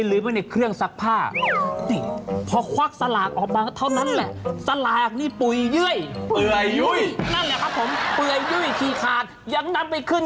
ลืมไปในกระเป๋ากางเกงแล้วสลากนั้นเนี่ยถูกรางวัลด้วย